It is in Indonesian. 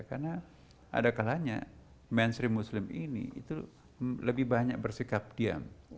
karena adakalanya mainstream muslim ini itu lebih banyak bersikap diam